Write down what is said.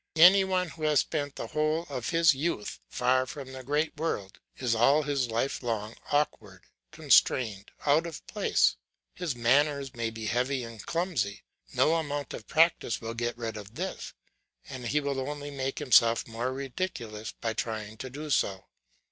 Any one who has spent the whole of his youth far from the great world is all his life long awkward, constrained, out of place; his manners will be heavy and clumsy, no amount of practice will get rid of this, and he will only make himself more ridiculous by trying to do so.